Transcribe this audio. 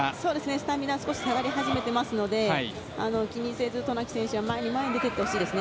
スタミナ少し下がり始めていますので気にせず渡名喜選手は前に出ていってほしいですね。